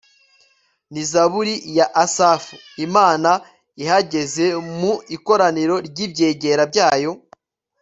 ni zaburi ya asafu. imana ihagaze mu ikoraniro ry'ibyegera byayo